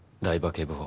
警部補。